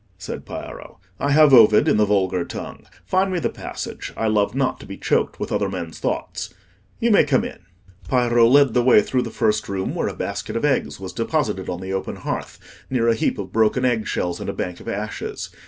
said Piero. "I have Ovid in the vulgar tongue. Find me the passage. I love not to be choked with other men's thoughts. You may come in." Piero led the way through the first room, where a basket of eggs was deposited on the open hearth, near a heap of broken egg shells and a bank of ashes.